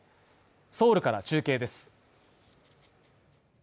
ソウルから中継です。